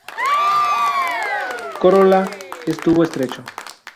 Corola en tubo estrecho.